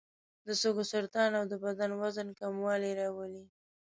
د سږو سرطان او د بدن وزن کموالی راولي.